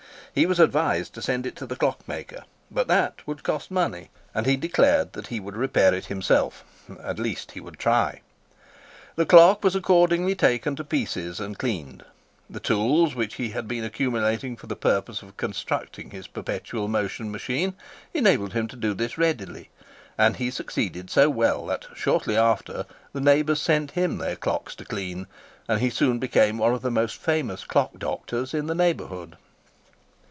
He was advised to send it to the clockmaker, but that would cost money; and he declared that he would repair it himself—at least he would try. The clock was accordingly taken to pieces and cleaned; the tools which he had been accumulating for the purpose of constructing his Perpetual Motion machine, enabled him to do this readily; and he succeeded so well that, shortly after, the neighbours sent him their clocks to clean, and he soon became one of the most famous clock doctors in the neighbourhood.